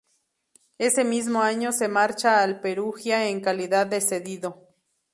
Ese mismo año se marcha al Perugia en calidad de cedido.